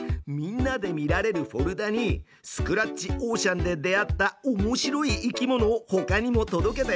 みんなで見られるフォルダにスクラッチオーシャンで出会ったおもしろい生き物をほかにも届けたよ！